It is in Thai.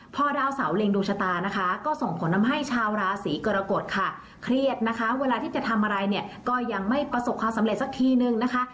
พอดาวเสาเล็งดวงชะตานะคะก็ส่งผลทำให้ชาวราศีกรกฎค่ะเครียดนะคะเวลาที่จะทำอะไรเนี่ยก็ยังไม่ประสบความสำเร็จสักทีนึงนะคะ